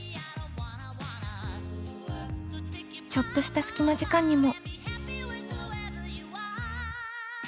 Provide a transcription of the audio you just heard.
ちょっとした隙間時間にも。